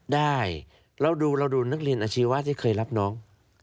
ได้เราดูเราดูนักเรียนอาชีวะที่เคยรับน้อง